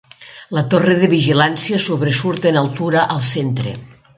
La torre de vigilància sobresurt en altura al centre.